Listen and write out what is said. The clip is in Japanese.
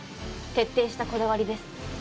徹底したこだわりです。